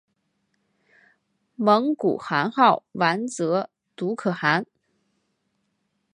蒙古汗号完泽笃可汗。